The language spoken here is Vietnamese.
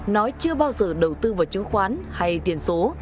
nói chưa bao giờ đầu tư vào chứng khoán hay tiền số